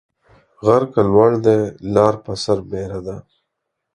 غر که لوړ دى ، لار پر سر بيره ده.